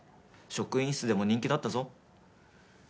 職員室でも人気だったぞ。